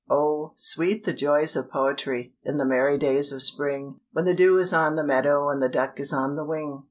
Oh, sweet the joys of poetry In the merry days of spring, When the dew is on the meadow And the duck is on the wing!